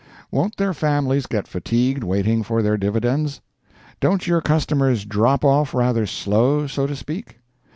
Won't their families get fatigued waiting for their dividends? Don't your customers drop off rather slow, so to speak?